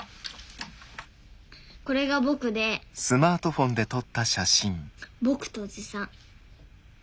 これが僕で僕とおじさん。